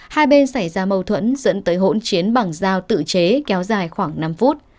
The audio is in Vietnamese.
hai bên xảy ra mâu thuẫn dẫn tới hỗn chiến bằng dao tự chế kéo dài khoảng năm phút